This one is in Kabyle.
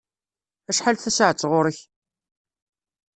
Acḥal tasaɛet ɣer-k?